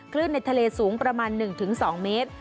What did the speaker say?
ในทะเลสูงประมาณ๑๒เมตร